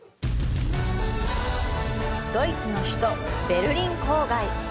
ドイツの首都ベルリン郊外。